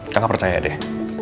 kakak percaya deh